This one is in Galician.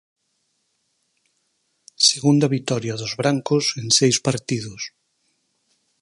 Segunda vitoria dos brancos en seis partidos.